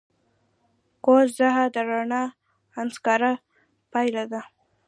قوس قزح د رڼا د انکسار پایله ده.